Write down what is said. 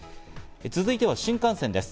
続いては新幹線です。